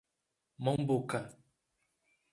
Mombuca